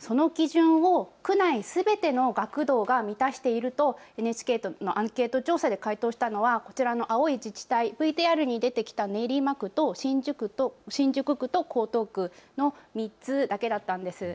その基準を区内すべての学童が満たしているとＮＨＫのアンケート調査で回答したのはこちらの青い自治体、ＶＴＲに出てきた練馬区と新宿区と江東区の３つだけだったんです。